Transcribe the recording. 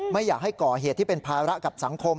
ไม่อยากให้ก่อเหตุที่เป็นภาระกับสังคม